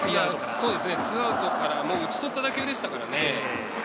そうですね、２アウトから打ち取った打球でしたからね。